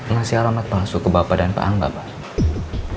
ngasih alamat masuk ke bapak dan pak angga pak